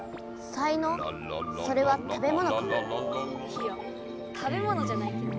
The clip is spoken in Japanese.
いや食べものじゃないけど。